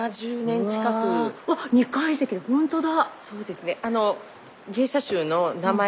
うわうわっ２階席だほんとだ。